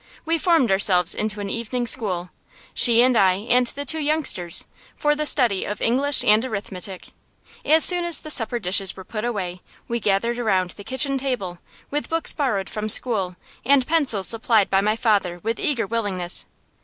We formed ourselves into an evening school, she and I and the two youngsters, for the study of English and arithmetic. As soon as the supper dishes were put away, we gathered around the kitchen table, with books borrowed from school, and pencils supplied by my father with eager willingness.